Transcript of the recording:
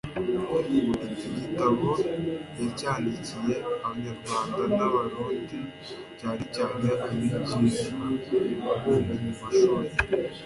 iki gitabo yacyandikiye abanyarwanda n'abarundi cyanecyane abigisha bo mu mashuri